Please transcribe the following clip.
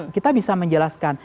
kita bisa menjelaskan